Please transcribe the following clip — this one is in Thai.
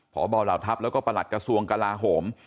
พบเหล่าทัพแล้วก็ประหลัดกระทรวงกลาโหม